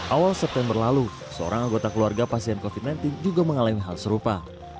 awal september lalu seorang anggota keluarga pasien covid sembilan belas juga mengalami hal serupa